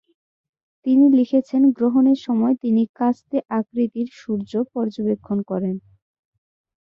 তিনি লিখেছেন গ্রহণের সময় তিনি কাস্তে আকৃতির সূর্য পর্যবেক্ষণ করেন।